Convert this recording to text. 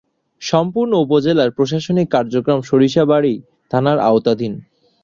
সম্পূর্ণ উপজেলার প্রশাসনিক কার্যক্রম সরিষাবাড়ী থানার আওতাধীন।